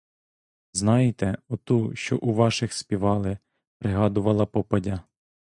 Знаєте, оту, що у ваших співали, — пригадувала попадя.